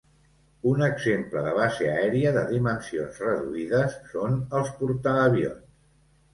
Un exemple de base aèria de dimensions reduïdes són els portaavions.